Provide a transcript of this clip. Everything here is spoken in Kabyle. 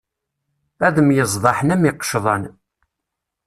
Ad myeẓḍaḥen am yiqecḍan.